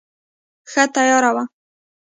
ښه تیاره وه.